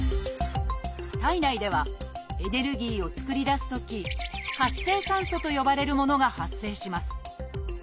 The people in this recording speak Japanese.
体内ではエネルギーを作り出すとき「活性酸素」と呼ばれるものが発生します。